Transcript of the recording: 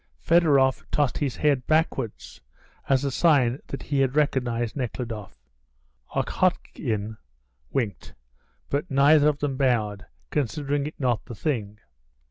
Federoff tossed his head backwards as a sign that he had recognised Nekhludoff, Okhotin winked, but neither of them bowed, considering it not the thing.